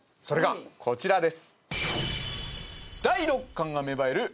それがこちらです